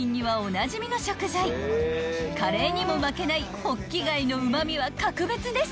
［カレーにも負けないホッキ貝のうま味は格別です］